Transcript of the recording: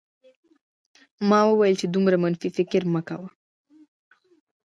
ما وویل چې دومره منفي فکر مه کوه